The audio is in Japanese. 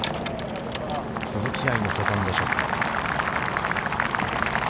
鈴木愛のセカンドショット。